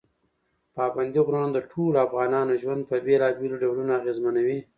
پابندي غرونه د ټولو افغانانو ژوند په بېلابېلو ډولونو اغېزمنوي.